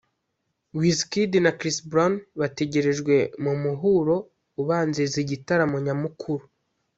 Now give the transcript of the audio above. Wizkid na Chris Brown bategerejwe mu muhuro ubanziriza igitaramo nyamukuru